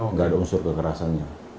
nggak ada unsur kekerasannya